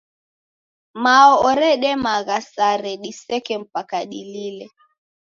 Mao oredemagha sare diseke mpaka dilile.